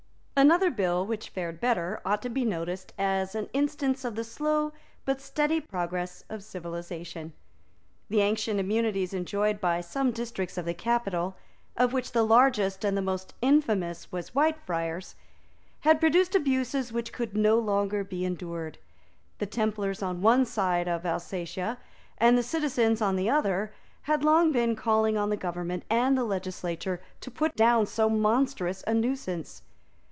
Another bill, which fared better, ought to be noticed as an instance of the slow, but steady progress of civilisation. The ancient immunities enjoyed by some districts of the capital, of which the largest and the most infamous was Whitefriars, had produced abuses which could no longer be endured. The Templars on one side of Alsatia, and the citizens on the other, had long been calling on the government and the legislature to put down so monstrous a nuisance.